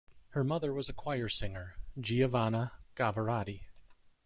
Her mother was a choir singer, Giovanna Gavirati.